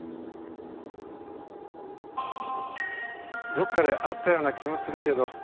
どっかで会ったような気もするけど。